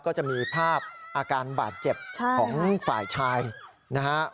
ก็จะมีภาพอาการบาดเจ็บของฝ่ายชายนะฮะ